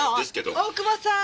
大久保さん。